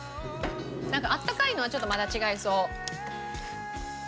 なんかあったかいのはちょっとまた違いそう。